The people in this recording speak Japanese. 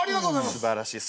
すばらしい。